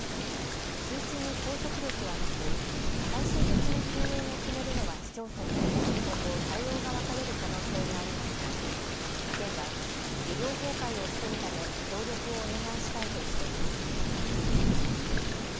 通知に拘束力はなく最終的に休園を決めるのは市町村で今後、対応が分かれる可能性がありますが県は医療崩壊を防ぐため協力をお願いしたいとしています。